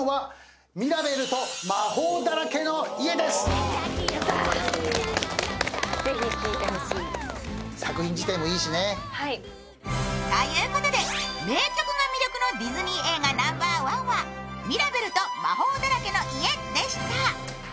決められますか？ということで名曲が魅力のディズニー映画ナンバーワンは「ミラベルと魔法だらけの家」でした。